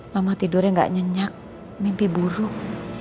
mama tidurnya gak nyenyak mimpi buruk